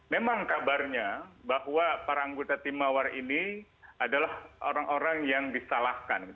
memang kabarnya bahwa para anggota tim mawar ini adalah orang orang yang disalahkan